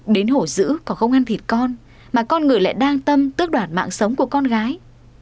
đến hổ giữ còn không ăn thịt con mà con người lại đang tâm tước đoạt mạng sống của con gái